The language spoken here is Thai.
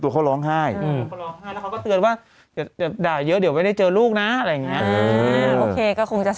แหล่ะเหมือนักแดดด่ายเยอะเดียวไม่ได้เจอลูกนะอะไรอย่างเนี่ย